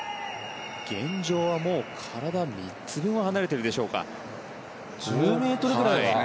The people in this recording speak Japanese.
現状はもう、体３つ分は離れているでしょうか。